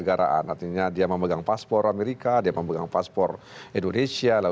artinya dia memegang paspor amerika dia memegang paspor indonesia